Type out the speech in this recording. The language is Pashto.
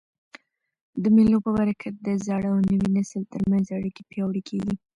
د مېلو په برکت د زاړه او نوي نسل تر منځ اړیکي پیاوړي کېږي.